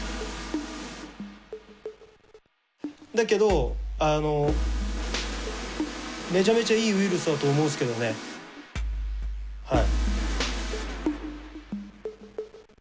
だけどめちゃめちゃいいウイルスだと思うっすけどねはい。